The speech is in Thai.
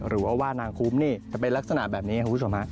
หรือว่าว่านางคุ้มนี่จะเป็นลักษณะแบบนี้คุณผู้ชมฮะ